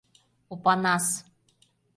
Опанас.